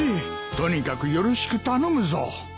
とにかくよろしく頼むぞ。